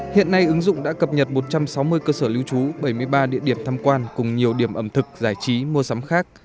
hiện nay ứng dụng đã cập nhật một trăm sáu mươi cơ sở lưu trú bảy mươi ba địa điểm tham quan cùng nhiều điểm ẩm thực giải trí mua sắm khác